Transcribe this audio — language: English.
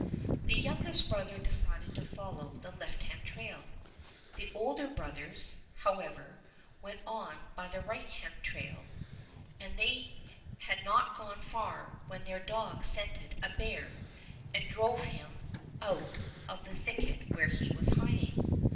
The youngest brother decided to follow the left hand trail. The older brothers, however, went on by the right hand trail, and they had not gone far when their dogs scented a bear and drove him out of the thicket where he was hiding.